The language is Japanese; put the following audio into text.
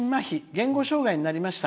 言語障害になりました。